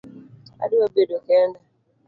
Adwa bedo kenda